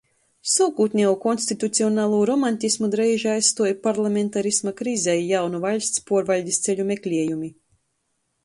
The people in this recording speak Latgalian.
Suokūtnejū konstitucionalū romantismu dreiži aizstuoja parlamentarisma krize i jaunu vaļsts puorvaļdis ceļu mekliejumi.